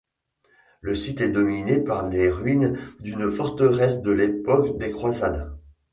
Le site est dominé par les ruines d'une forteresse de l'époque des Croisades.